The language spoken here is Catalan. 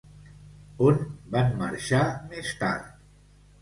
On van marxar més tard?